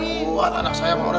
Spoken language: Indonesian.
kuat anak saya mau udah